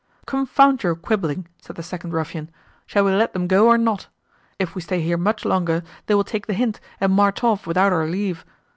"Confound your quibbling," said the second ruffian, "shall we let them go or not? If we stay here much longer, they will take the hint, and march off without our leave.